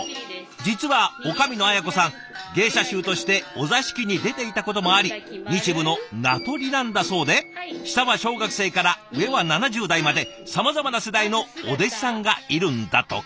実は女将の綾子さん芸者衆としてお座敷に出ていたこともあり日舞の名取なんだそうで下は小学生から上は７０代までさまざまな世代のお弟子さんがいるんだとか。